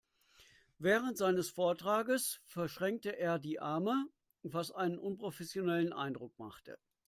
Während seines Vortrages verschränkte er die Arme, was einen unprofessionellen Eindruck machte.